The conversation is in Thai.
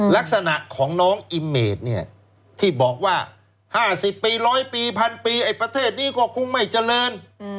ลักษณะของน้องอิ้มเมดเนี่ยที่บอกว่าห้าสิบปีร้อยปีพั่นปีให้ประเทศนี้พ่อคุณไม่เจริญ